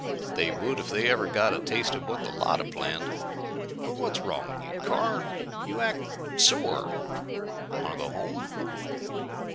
"They would if they ever got a taste of what the Llotta planned. But what's wrong with you Carr? You act sore. Want to go home?"